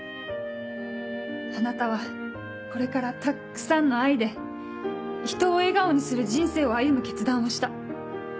あなたはこれからたくさんの愛でひとを笑顔にする人生を歩む決断をした。